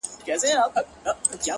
ما خو څو واره ازمويلى كنه!